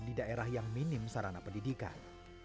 di daerah yang minim sarana pendidikan